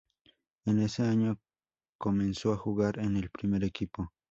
En ese año comenzó a jugar en el primer equipo.